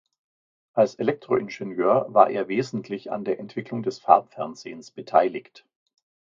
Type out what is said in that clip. Als Elektroingenieur war er wesentlich an der Entwicklung des Farbfernsehens beteiligt.